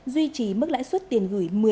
duy trì mức lãi suất tiền gửi